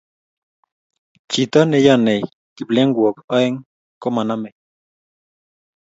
chito ne yonei kiplengwok aeng ko manamei